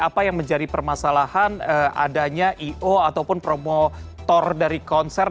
apa yang menjadi permasalahan adanya i o ataupun promotor dari konser